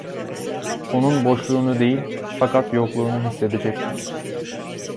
Onun boşluğunu değil, fakat yokluğunu hissedecektim.